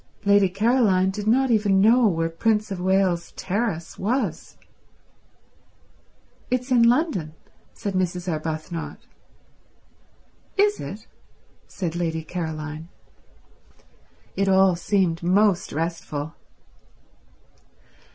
Lady Caroline did not even know where Prince of Wales Terrace was. "It's in London," said Mrs. Arbuthnot. "Is it?" said Lady Caroline. It all seemed most restful.